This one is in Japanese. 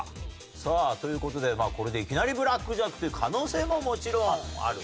さあという事でこれでいきなりブラックジャックという可能性ももちろんあるかと。